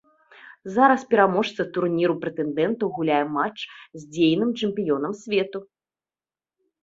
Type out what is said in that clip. Зараз пераможца турніру прэтэндэнтаў гуляе матч з дзейным чэмпіёнам свету.